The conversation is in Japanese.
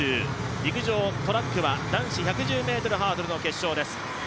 陸上トラックは男子１１０ｍハードルの決勝です。